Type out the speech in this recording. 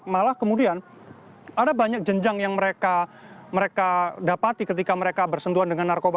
malah kemudian ada banyak jenjang yang mereka dapati ketika mereka bersentuhan dengan narkoba